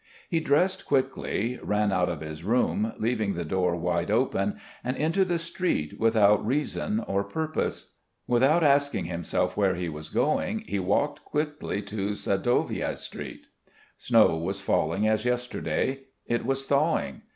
He dressed quickly, ran out of his room, leaving the door wide open, and into the street without reason or purpose. Without asking himself where he was going, he walked quickly to Sadovaia Street. Snow was falling as yesterday. It was thawing.